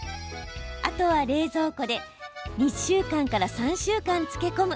あとは冷蔵庫で２、３週間漬け込む。